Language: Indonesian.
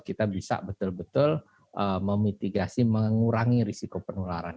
kita bisa betul betul memitigasi mengurangi risiko penularan